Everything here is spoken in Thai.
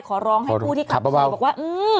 ขอร้องให้ผู้ที่ขับเบาบอกว่า